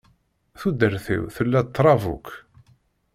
Tudert-iw tella trab akk.